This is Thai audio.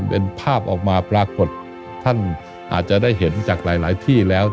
เป็นภาพออกมาปรากฏท่านอาจจะได้เห็นจากหลายที่แล้ว